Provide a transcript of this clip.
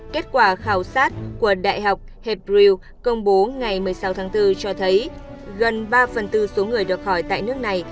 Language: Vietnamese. một cuộc khảo sát của đại học hebrew công bố ngày một mươi sáu tháng bốn cho thấy gần ba phần tư số người được khỏi tại nước này